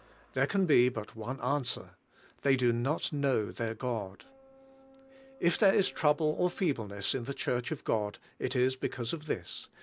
There can be but one answer, "They do not know their God." If there is trouble or feebleness in the Church of God, it is because of this.